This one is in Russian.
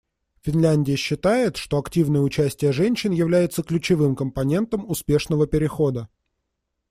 Финляндия считает, что активное участие женщин является ключевым компонентом успешного перехода.